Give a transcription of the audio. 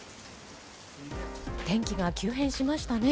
天気が急変しましたね。